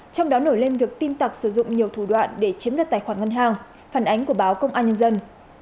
trong đó nổi lên việc tin tặc sử dụng nhiều thủ đoạn để chiếm đoạt tài khoản ngân hàng phản ánh của báo công an nhân dân